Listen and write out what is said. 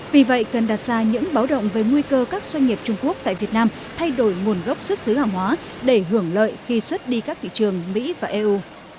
vì vậy cần đặt ra những báo động về nguy cơ các doanh nghiệp trung quốc tại việt nam thay đổi nguồn gốc xuất xứ hàng hóa để hưởng lợi khi xuất đi các thị trường mỹ và eu